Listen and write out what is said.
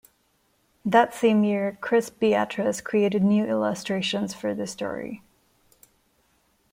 That same year Chris Beatrice created new illustrations for the story.